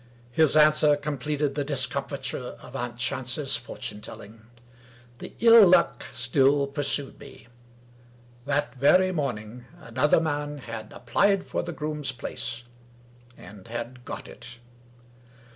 His answer completed the discomfiture of aunt Chance's fortune telling. My ill luck still pursued me. That very morning another man had applied for the groom's place, and had got it.